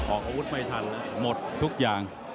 ออกอาวุธไม่ทันหมดทุกอย่าง